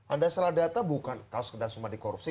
anda salah data bukan kalau sekedar semua dikorupsi